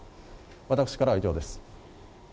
私からは以上です。